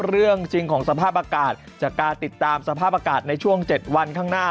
เรื่องจริงของสภาพอากาศจากการติดตามสภาพอากาศในช่วง๗วันข้างหน้า